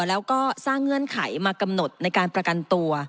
แล้วก็สร้างเงื่อนไขมากำหนดในการประกันตัว